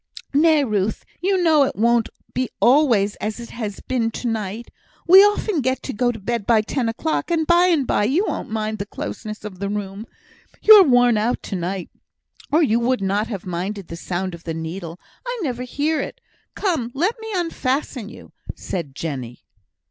"Nay, Ruth, you know it won't be always as it has been to night. We often get to bed by ten o'clock; and by and by you won't mind the closeness of the room. You're worn out to night, or you would not have minded the sound of the needle; I never hear it. Come, let me unfasten you," said Jenny.